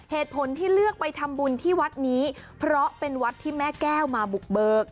เหตุผลที่เลือกไปทำบุญที่วัดนี้เพราะเป็นวัดที่แม่แก้วมาบุกเบิก